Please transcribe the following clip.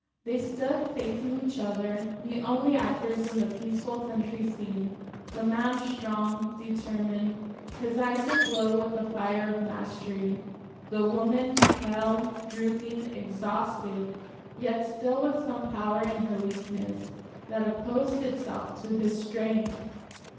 They stood facing each other, the only actors in the peaceful country scene; the man strong, determined, his eyes aglow with the fire of mastery; the woman pale, drooping, exhausted, yet still with some power in her weakness, that opposed itself to his strength.